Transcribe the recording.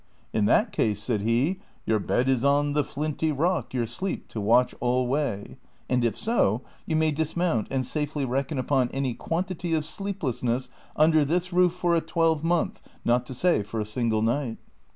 " In that case," said he, " Your bed is on the flinty rock, Your sleep to watch alway ;* and if so, you may dismount and safely reckon upon any quantity of sleeplessness under this roof for a twelvemonth, not to say for a single night."